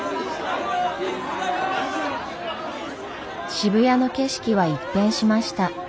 渋谷の景色は一変しました。